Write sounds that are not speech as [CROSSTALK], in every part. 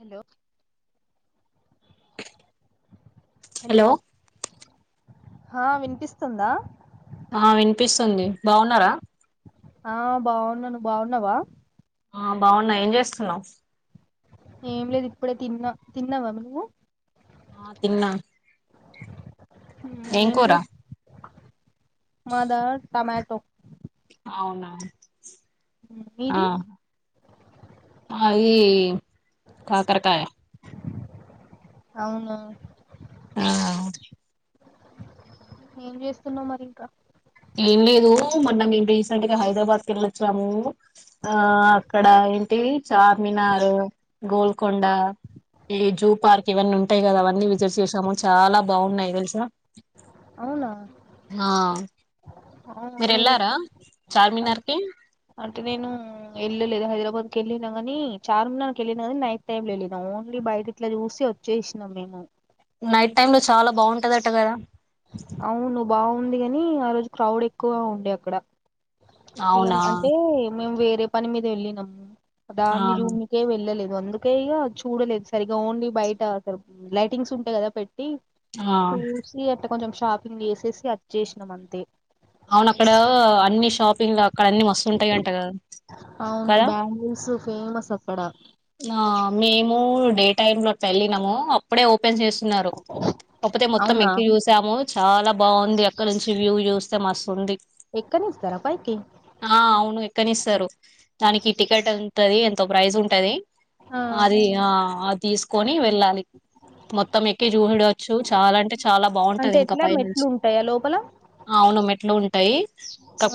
Hello hello ఆ వినిపిస్తుంది బాఉన్నరా ఆ బాఉన్న ను బాఉన్నవా ఆ బాఉన్న ఏం జేస్తున్నవ్ ఏం లేదు ఇప్పుడే తిన్నా తిన్నావా నువ్వు ఆ తిన్నా మ్, ఏం చే కూరా మాదా టమాటో అవునా మీది ఈ కాకరకాయ అవునా ఆ ఏం జేస్తున్నవ్ మరింక ఏం లేదు మొన్న మేం రీసెంట్ గా హైదరాబాద్ కి ఎళ్ళొచ్చాము ఆ అక్కడ ఏంటి ఈ చార్మినారు గోల్కొండ ఈ జూ పార్క్ ఇవన్నీ ఉంటాయి కదా అవన్నీ విజిట్ చేసాము చాలా బాగున్నాయి తెల్సా అవునా ఆ, నేను మీరేల్లారా ఇప్- చార్మినార్కి అంటే నేను వెళ్ళలేదు హైదరాబాద్ కి వెళ్ళినా కాని చార్మనార్కి వెళ్ళినా కానీ నైట్ టైమ్ లో వెళ్ళినా ఓన్లీ బయట ఇట్లా చూసి వచ్చేసినాం మేము నైట్టైమ్ లో చాలా బాగుంటదట కదా? అవును బాగుంది కాని ఆ రోజు క్రౌడ్ ఎక్కువ ఉండే అక్కడ ఇగ అవునా అంటే మేము వేరే పని మీద వెళ్ళినం. దాన్ని ఆ చూన్నికే వెళ్లలేదు. అందుకే ఇక చూడలేదు సరిగా ఓన్లీ బయట లైటింగ్స్ ఉంటాయి కదా పె ఆ చూసి అట్ట కొంచెం షాపింగ్ చేసేసి అచ్చేసినం అంతే అవునక్కడ అన్ని షాపింగ్ల్ అక్కడ అన్ని మస్తుంటాయి అంట కదా అవును కదా? బ్యాంగిల్స్ ఫేమస్ అక్కడ ఆ మేము డే టైమ్ లో వెళ్ళినము అప్పుడే ఒపెన్ చేస్తున్నారు కాకపోతే మొత్తం అవునా ఎక్కి చూసాము చాలా బాగుంది అక్కడ నుంచి వ్యూ చూస్తే మస్తు ఉంది ఎక్కనిస్తారా పైకి ఆ అవును ఎక్కనిస్తారు. దానికి టికెట్ ఉంటది ఎంతో ప్రైజ్ ఉంటది ఆ అది ఆ అది తీసుకొ ని వెళ్ళాలి. మొత్తం ఎక్కి చూహడవచ్చు చాలా అంటే చాలా బాగుంటది అంటే ఇంకా ఎట్లా పై మెట్లు నుంచి ఉంటాయా లోపల అవును మెట్లు ఉంటాయి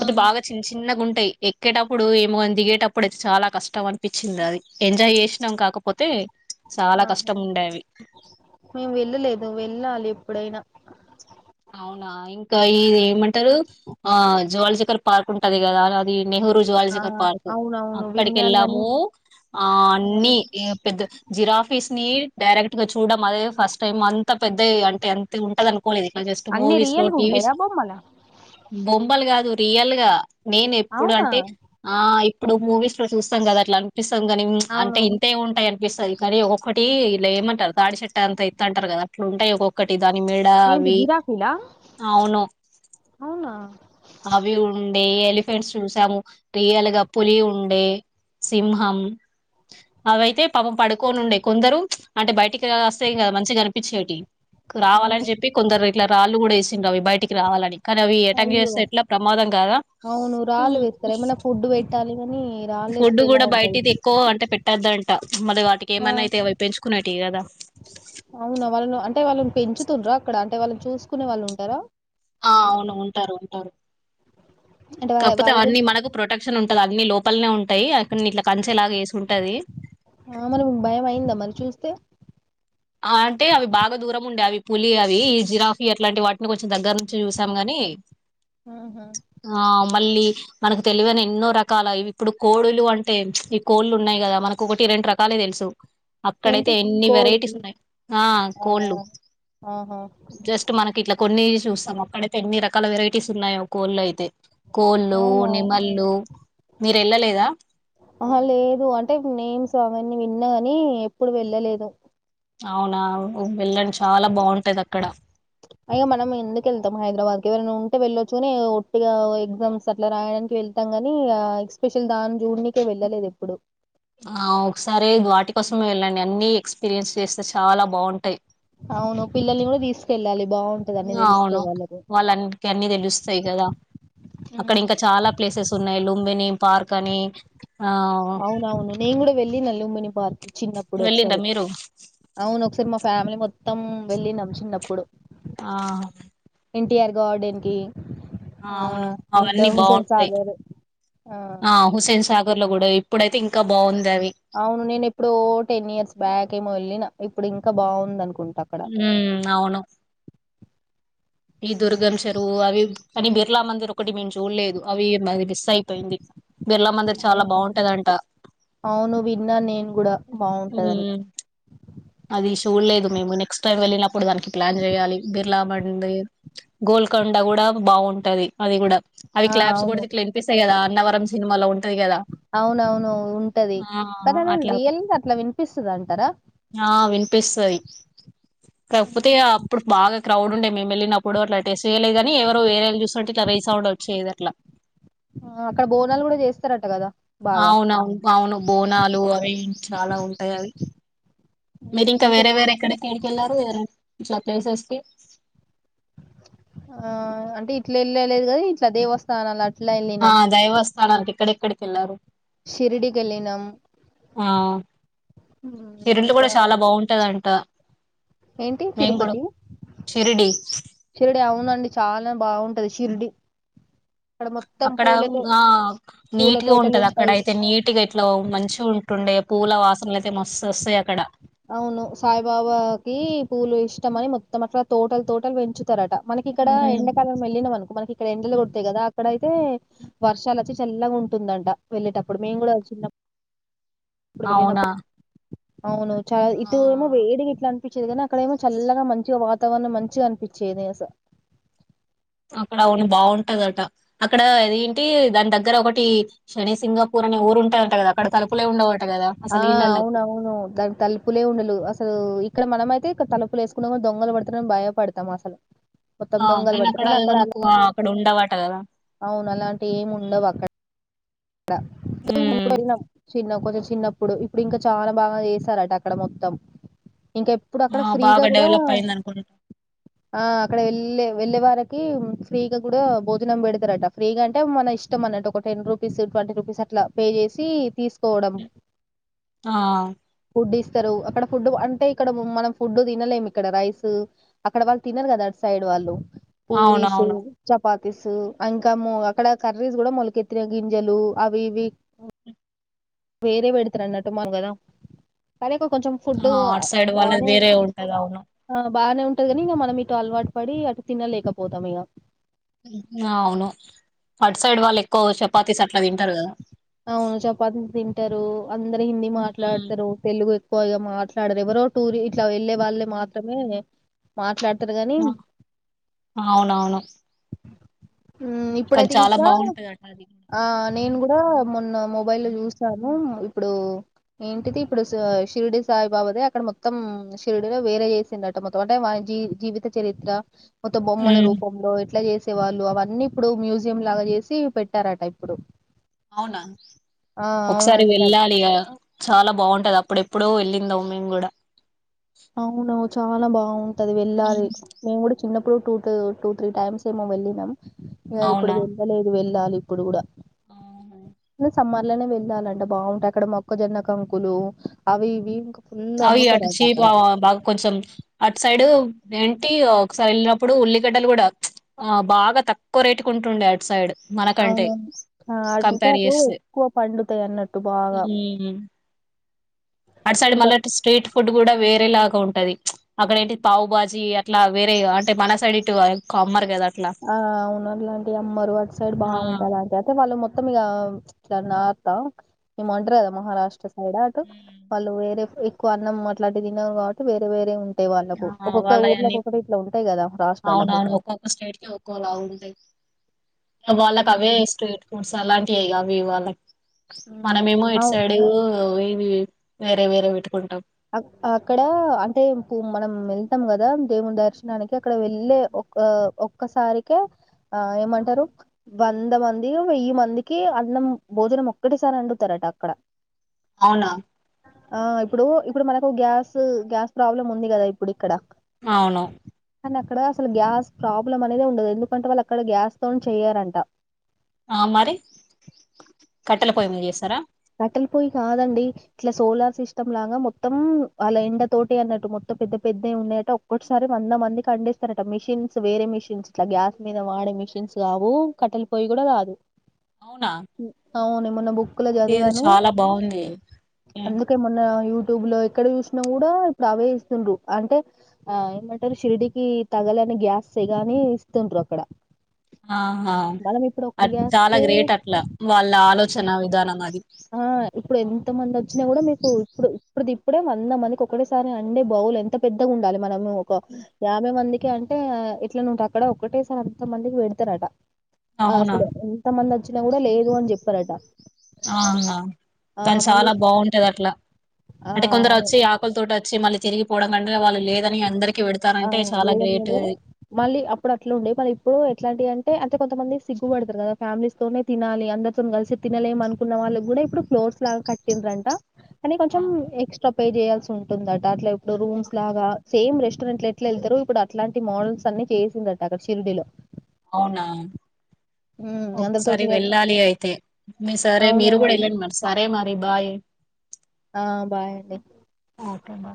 ఆ బాగా చిన్న చిన్నగా ఉంటాయి ఎక్కేటప్పుడు ఏమో గాని దిగేటప్పుడు ఐతే చాలా కష్టం అనిపిచ్చింది అది ఎంజాయ్ చేసినాం కాకపోతే చాలా ఆహా కష్టం ఉండే అవి మేము వెళ్ళులేదు వెళ్ళాలి ఎప్పుడైనా అవునా ఇంకా ఇది ఏమంటారు ఆ జువాలజికల్ పార్క్ ఉంటది కదా అ అదది నెహురు ఆ జువాలజికర్ పార్కు అవునవును అక్కడికి విన్నాను కాని వెళ్ళాము ఆ అన్ని పెద్ద జిరాఫీస్ ని డైరెక్ట్ ఇక చూడడం అదే ఫస్ట్ టైం అంత పెద్దయి అంటే అంత ఉంటది అనుకోలేది జస్ట్ అన్ని మూవీస్లో రియల్గా టీవీస్ ఉంటాయా బొమ్మలా బొంబలు కాదు రియల్ గా నేను ఎప్పుడు అవునా అంటే ఆ ఇప్పుడు మూవీస్ లో చూస్తాం కదా అట్లాం అనిపిస్తం కాని అంటే అవును ఇంతే ఉంటాయి అనిపిస్తది కానీ ఒక్కొక్కటి ఇలా ఏమంటారు తాడి చెట్ట అంత ఎత్తు అంటారు కదా అట్లుంటాయి ఒక్కొక్కటి దాని మెడ అవి దా అవును అవునా అవి ఉండే ఎలిఫెంట్స్ చూసాము రియల్గా పులి ఉండే సింహం అవైతే పాపం పడుకోని ఉండే కొందరు చ్ అంటే బయటికి వస్తయ్ కదా మంచిగా కనిపించేటివి క్రావాలని అవును చెప్పి కొందరు ఇట్లా రాళ్ళు కూడా వేసిండ్రు అవి బయటికి రావాలని కానీ అవి ఎటాక్ అయ్యో చేస్తే ఎట్లా ప్రమాదం కాదా అవును రాళ్ళు వేత్తారు ఏమన్నా ఫుడ్ పెట్టాలి కానీ ఫుడ్ కూడా బయటిది ఎక్కువ అంటే పెట్టద్దంట మళ్లీ వాటికి ఆ ఏమన్నా అయితే పెంచుకునేటివి కదా అవునా వాళ్ని అంటే వాళ్ళని పెంచుతుండ్రా అక్కడ అంటే వాళ్ళని చూసుకునే వాళ్ళు ఉంటారా? ఆ అవును ఉంటారు ఉంటారు అంటే వాళ్ళ కాక్పోతే వాళ్ళ అవన్నీ గురించి మనకు ప్రొటెక్షన్ ఉంటది అన్నీ లోపల్నే ఉంట ఉంటాయి అక్కడ్ ఇట్లా కంచెలాగ వేసుంటాది. ఆ మరి మీకు భయం అయిందా మరి చూస్తే ఆ అంటే అవి బాగా దూరం ఉండే అవి పులి అవి ఈ జిరాఫీ అట్లాంటి వాటిని కొంచెం దగ్గర నుంచి చూసాము గాని ఇ ఆహా మళ్ళీ మనకు తెలివైన ఎన్నో రకాల ఇప్పుడు కోడులు అంటే ప్చ్ ఈ కోళ్ళు ఉన్నాయి కదా మనకు ఒకటి రెండు రకాలే తెలుసు అక్కడైతే ఏంటి ఎన్ని కోడి వెరైటీస్ ఉన్నాయ్. ఆ కోళు ఆహా జస్ట్ మనకి ఇట్లా కొన్ని చూస్సాం అక్కడైతే ఎన్ని రకాల వెరైటీస్ ఉన్నాయో కోళ్ళు అయితే కోళ్ళు అవునా నిమళ్ళు మీరు వెళ్ళలేదా ఆహా లేదు అంటే నేమ్స్ అవన్నీ విన్నా కాని ఎప్పుడు వెళ్ళలేదు అవునా వెళ్ళండి చాలా బాగుంటాది అక్కడ అగా మనం ఎందుకు వెళ్తాం హైదరాబాద్ కి ఎవరైనా ఉంటే వెళ్ళొచ్చు కాని ఒట్టిగా ఎగ్జామ్స్ అట్లా రాయడానికి వెళ్తాం కాని ఆ ఎక్స్పెషల్ దాన్ని జూన్నీకే వెళ్ళలేదు ఎప్పుడు ఆ ఒకసారే వాటి కోసమే వెళ్ళండి అన్ని ఎక్స్పీరియన్స్ చేస్తే చాలా బాగుంటాయి అవును పిల్లల్ని కూడా తీసుకెళ్ళాలి బాగుంటది అన్ని అవును తెలుస్తాయి వాళ్ళకు వాళ్ళ అందుకే అన్ని తెలుస్తు సయి కదా అక్కడ ఇంకా చాలా ప్లేసెస్ ఉన్నాయి లుంబిని పార్క్ అని ఆ అవునవును నేను కూడా వెళ్ళి లుంబిని పార్క్ చిన్నప్పుడు వెళ్ళిండ్రా ఒకసారి మీరు అవును ఒకసారి మా ఫ్యామిలీ మొత్తం వెళ్ళినం చినప్పుడు ఆ ఎన్టీఆర్ గార్డెన్ కి ఆ అవును ఇంకా అవన్నీ హుసేన్ బాగుంటాయి సాగర్ ఆ హుస్సేన్ సాగర్ లో కూడా ఇప్పుడైతే ఇంకా బాగుంది అవి అవును నేను ఎప్పుడో టెన్ ఇయర్స్ బ్యాక్ ఏమో వెళ్ళిన ఇప్పుడు ఇంకా బాగుందా అనుకు ఉ అవును ఈ దుర్గం చెరువు అవి కానీ బిర్లా మందిర్ ఒకటి మేము చూడలేదు అవి ఎ మిస్ అయిపోయింది బిర్లా మందిర్ చాలా అవునా బాగుంటాదింట అవును విన్నా నేను కూడా బావుంటందని మ్మ్ అది చూడలేదు మేము నెక్స్ట్ టైమ్ వెళ్ళినప్పుడు దానికి ప్లాన్ చెయాలి బిర్లా మందిర్ గోల్క కొండ కూడా బాగుంటది అది కూడా అవి ఆ క్లాప్స్ అవును కొడితే ఇట్లా వినిపిస్తది కదా అన్నవరం సినిమాలో ఉ అవునవును ఉంటది ఆ కదా అది అట్లా రియల్ గా అట్లా వినిపిస్తుంది అంటారా ఆ వినిపిస్తుంది కాకపోతే అప్పుడు బాగా క్రౌడ్ ఉండే మేము వెళ్ళినప్పుడు అట్లా టెస్ట్ చేయలేదు కానీ ఎవరు వేరే ఐలు చూసుకుంటే ఇట్లా రీ సౌండ్ వచ్చేది అట్లా ఆ అక్కడ బోనాలు కూడా చేస్త అవునవును అవును బోనాలు అవి చాలా ఉంటాయి అవి మీరు ఇంకా ఇంకే వేరే వేరే ఎక్కడకి ఎడికెళ్ళారు వేరే ఇట్లా ప్లేసెస్ కి ఆ అంటే ఇట్లా వెళ్ళలేదు కదా ఇట్లా దేవస్థానాలు ఆ ఆ దైవస్థానానికి ఎక్కడెక్కడికి వెళ్లారు షిరిడి కి వెళ్ళినం ఇరుంఉండులు కూడా చాలా బాగుంటదంట ఏంటి మేము కూడా తిరుపతి షిరిడి షిరిడి అవునండి చాలా బాగుంటది షిరిడి ఇక్కడ మొత్తం అక్కడ పూలతో ఆ పూల నీట్గా తోటలు ఉంటది అక్కడ ఉంటాయి అయితే నీట్గా ఇట్లా మంచిగా ఉంటుండే పూల వాసన లే అవును సాయిబాబాకి పూలు ఇష్ట ని [UNINTELLIGIBLE] మొత్తం అట్లా తోటలు తోటలు పెంచు స్తారట మనకి ఇక్కడ ఉమ్, ఎండకాలం వెళ్ళినా అనుకో మనకి ఇడ ఎండలు కొడతాయి కదా అక్కడ ఏ అయితే వర్షాలు వచ్చి చల్లగా ఉంటుందంట వెళ్ళేటప్పుడు మేము కూడా చిన్నప్పుడు వెళ్ళినప్పుడు అవునా అవును చాలా ఆ ఇటు ఏమో వేడిగా ఇట్లా అనిపించేది కానీ అక్కడ ఏమో చల్లగా మంచిగా వాతావరణం మంచిగా అనిపించేది అస అక్కడ అవును బాగుంటదట అక్కడ అది ఏంటి దాని దగ్గర ఒకటి శనిసింగపూరం ఊరు ఉంటది అంట కదా అక్కడ తలుపులే ఉండ ఆ అవున అవును దాని తలుపులే ఉండ లేవు అసలు ఇక్కడ మనమయితే తలుపులు వేసుకున్నం కూడా దొంగలు పడుతున్నాం భయపడతాం అసలు మొత్తం ఆ దొంగలు కానీ పడతారని అక్కడ ఏమనకు అలాంటి అక్కడ ఉండవట కదా అవును అలాంటి ఏమి ఉండవు అక్కడ హ్మ్ [UNINTELLIGIBLE] చిన్న కొంచెం చిన్నప్పుడు ఇప్పుడు ఇంకా చానా బాగా చేసారట అక్కడ మొత్తం ఇంకా ఎప్పుడు అక్కడ ఆ ఫ్రీగా బాగా కూడా డెవలప్ అయింది అనుకుంటా ఆ అక్కడ వెళ్ళే వెళ్ళే వార ఫ్రీ గా కూడా భోజనం పెడతారట ఫ్రీగా అంటే మన ఇష్టం అన్నటు ఒక టెన్ రూ ట్వంటీ రూపీస్ అట్లా పే చేసి తీసుకోవడం ఆ ఫుడ్ ఇస్తారు అక్కడ ఫుడ్ అంటే ఇక్కడ మనం ఫుడ్ తినలేము ఇక్కడ రైస్ అక్కడ వాళ్ళు తినరు కదా సైడ్ వాళ్ళు పూరీస్ అవునవును చపాతీసు ఇంకా మ అక్కడ కర్రీస్ కూడా మొలకెత్తిినయి గింజలు అవిఇవి వేరే పెడుతురన్నటు మాంగదా కొంచెం ఫుడ్ ఆ అటు సైడ్ వాళ్ళది బానే వేరే ఉంటది అవును బాగానే ఉంటది కానీ ఇక మనం ఇటు అలవాటు పడి అటు తినలేకపోతాం ఇక ఆ అవును అటు సైడ్ వాళ్ళు ఎక్కువ చపాతీస్ అట్లా తింటారు కదా అవును చపాతి తింటరు అందరు హిందీ మాట్లాడతారు తెలుగు ఎక్కువగా మాట్లాడరు ఎవరో టూరి ఇట్లా వెళ్ళే వాళ్లు మాత్రమే మాట్లాడు అ అవునవును ఉ కానీ ఇప్పుడైతే చాలా ఇంకా బాగుంటదట అది ఆ నేను కూడా మొన్న మొబైలొ చూసినాను ఇప్పుడు ఏంటిది ఇప్పుడు షిరిడి సాయిబాబాదిే అక్కడ మొత్తం శిరిడిలో వేరే చేసిండ్రట మొత్తం అంటే జీ జీవిత చరిత్ర మొత్తం బొమ్మల హ్మ్ రూపంలో ఎట్లా చేస్త ే వాళ్ళు అవన్నీ ఇప్పుడు మ్యూజియం లాగా చేసి పెట్టారట ఇప్పుడు అవునా ఆ ఒకసారి అవునంట వెళ్ళాలిక చాలా బాగుంటది అప్పుడ ఎప్పుడో వెళ్ళి ందవు మేము కూడా అవును చాలా బాగుంటది వెళ్ళాలి మేము కూడా చిన్నపుడు two two two two three times ఏమో వెల్లినం ఇక ఇపుడు అవునా వెళ్ళలేదు వెల్లాలి ఇప్పుడు కూడా ఆ! సమ్మర్ లోనే వెళ్ళాలండి బాగుంటది అక్కడ మొక్క జొన్నకంకులు అవి ఇవి ఫుల్ అవి అటు అమ్ముతరట చీప్ బాగా కొంచెం అటు సైడ్ సైడు ఏంటి ఒకసారి వెళ్ళినప్పుడు ఉల్లిగడ్డలు కూడా ఆ బాగా తక్కువ రేటుకు ఉంటుండే అటు సైడ్ మనకంటే అవును. ఆ ఆంటే కంపేర్ అటు చేస్తే ఎక్కువ పండుతాయి అన్నట్టు బాగా ఉమ్. అటు సైడ్ ఇంకా మళ్ళ స్ట్రీట్ ఫుడ్ కూడా వేరే లాగా ఉంటది అక్కడ ఏంటి పావు బాజీ అట్లా వేరే అంటే మన సైడ్ ఇటు అమ్మరు కద ఆ అవును అట్లాంటివి అమ్మరు అటు సైడ్ ఆ బాగుంటాయి అలాంటివి అయితే వాళ్ళు మొత్తం మొత్తం ఇక ఇట్లా నార్త ఏమో అంటరు గదా మహారాష్ట్ర సైడ్ అటు వాళ్ళు వేరే ఎక్కువ అన్నం అట్లాంటివి తినరు కాబట్టి వేరే వేరే ఉంటయి అే వాళ్ళకు ఆ ఒక్కొక్క ఊర్లో వాళ్ళయన్ని ఒొకొక్క ఇట్లా ఉంటాయి కదా రాష్ట్రాలకు ఒకోలా ఉంటాయి వాళ్ళకి హ్మ్. అవే స్ట్రీట్ ఫడ్స్ అలాంటివి అవి వాళ్ళకి హ్మ్. మనమేమో ఇటు సైడ్ ఇవి వేరే వేరే పెట్టుకుంటాం అ అక్కడ అంటే ఇప్ మనం వెళ్తాం కదా దేవుని దర్శనానికి అక్కడ వెళ్ళే ఒ ఒక్కసారికె ఆ ఏమంటారు వంద మంది వెయ్యి మందికి అన్నం భోజనం ఒక్కటేసారి వండుతారట అక్కడ అవునా ఆ ఇప్పుడు ఇప్పుడు మనకు గ్యాస్ గ్యాస్ ప్రాబ్లం ఉంది కదా ఇప్పుడు ఇక్కడ అవును కానీ అక్కడ అసలు గ్యాస్ ప్రాబ్లం అనేది ఉండదు ఎందుకంటే వాళ్ళు అక్కడ గ్యాస్ తోనె చేయ్యారంట ఆ మరి కట్టెల పొయ్యి మీద చేస్తారా కట్టెల పొయ్యి కాదండి ఇట్లా సోలార్ సిస్టమ్ లాగా మొత్తం అలా ఎండ తోటి అన్నట్టు మొత్తం పెద్ద పెద్దవి ఉన్నాయట ఒక్కటే సారి వంద మందికి వండిస్తరట మిషన్స్ వేరే మెషిన్స్ ఇట్లా గ్యాస్ మీద వాడ ష కా కట్ట పోయి కూడాదు అవునా అవుమన్న బుక్కు ఇదేదో చదివాను చాలా బాగుంది హ్మ్. అందుకే మొన్న ూ ట్యూబ్ లో ఎక్కడ చూసినా కూడా ఇప్పుడు అవే ఇస్తు్ర అంటే ఆ ఏమంటారు ిరిడికి తగలే గ్యాస్ గాని ఇస్తుంట్రారు అక్కడ ఆహా మనం ఇప్పుడు ఒక్క అ చాలా గ్యాస్కే గ్రేట్ అట్లా వాళ్ళ ఆలోచన విధానం అది ఆ ఇప్పుడు ఎంత మంది వచ్చినా కూడా మీకు ఇప్పుడు ఇప్పుడు ఇప్పుడే వంద మందికి ఒకటేసారి అండే బా ఎంత పెద్దగా ఉండాలి మనము ఒక యాభై మందికి అంటే ఇట్లా ను అక్కడ ఒక్కటేసారి అంత మందికి పెడతారట అవునా అసలు ఎంత మంది వచ్చినా కూడా లేదు అని చెప్పారట అవునా ఆ కానీ చాలా మళ్ళీ బాగుంటది అట్లా ఆ అంటే కొందరు అవును వచ్చి ఆకులతోట వచ్చి మళ్ళీ తిరిగిపోవడం కంట వాళ్ళు లేదని అందరు ఆ లేదండి మీ దారు మళ్ళీ అప్పుడు అట్లా ఉండే మళ్ళ ఇప్పుడు ఎట్లాంటివి అంటే అ అే కొంతమంది సిగ్గుపడతారు కదా ఫ్యామిలీస్ తోనే తినాలి అందరితో కలిసి తినలేం అనుకున్న వాళ్ళు కూడా ఇప్పుడు్ ట్స్లా కట్టింద్ర అంటా కానీ ఆ! కొంచెం ఎక్స్ట్రా పే చేయాల్సి ఉంటుందట అట్లా ఇప్పుడు రూమ్స్ లాగా సేమ్ రెస్ట్ ఇెంట్ ఎట్ల వెళ్తారు ఇప్పుడు అట్లాంటి మోడల్స్ అన్ని చేసిందట అక్కడ సిిరుడిలో అవునా ఉ ఒకసారి వెళ్ళాలి అయితే మీ సరే మీరు కూడా అవునండి. వెళ్ళండి మరి సరే మరి బాయ్ ఆ బాయండి ట బా